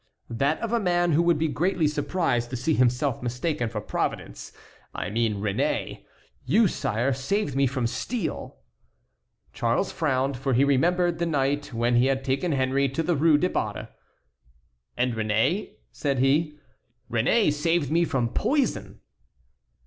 "That of a man who would be greatly surprised to see himself mistaken for Providence; I mean Réné. You, sire, saved me from steel." Charles frowned, for he remembered the night when he had taken Henry to the Rue des Barres. "And Réné?" said he. "Réné saved me from poison."